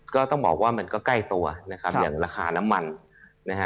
ก็ต้องบอกว่ามันก็ใกล้ตัวนะครับอย่างราคาน้ำมันนะฮะ